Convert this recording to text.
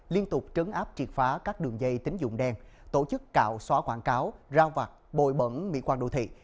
liên tục trấn áp triệt phá các đường dây tính dụng đen tổ chức cạo xóa quảng cáo rao vặt bồi bẩn mỹ quan đô thị